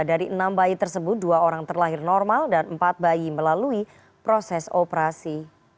dari enam bayi tersebut dua orang terlahir normal dan empat bayi melalui proses operasi